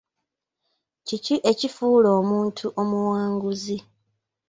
Kiki ekifuula omuntu omuwanguzi?